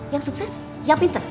yang sukses yang pintar